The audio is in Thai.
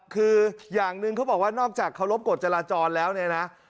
คืออย่างหนึ่งเขาบอกว่านอกจากเคารพกฎจราจรแล้วเนี่ยนะ